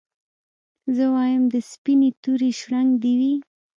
زه وايم د سپيني توري شړنګ دي وي